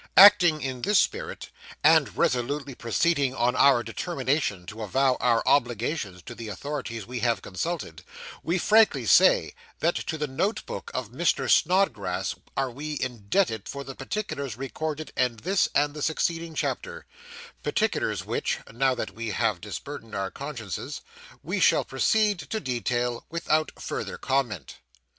Acting in this spirit, and resolutely proceeding on our determination to avow our obligations to the authorities we have consulted, we frankly say, that to the note book of Mr. Snodgrass are we indebted for the particulars recorded in this and the succeeding chapter particulars which, now that we have disburdened our consciences, we shall proceed to detail without further comment.